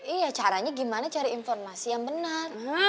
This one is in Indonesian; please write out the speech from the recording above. iya caranya gimana cari informasi yang benar